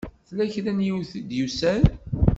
Tella kra n yiwet i d-yusan?